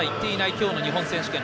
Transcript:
今日の日本選手権。